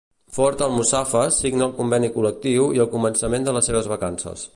Ford Almussafes signa el conveni col·lectiu i el començament de les seves vacances.